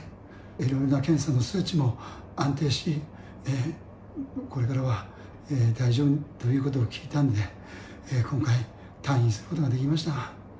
いろいろな検査の数値も安定し、これからは大丈夫ということを聞けたので、今回、退院することができました。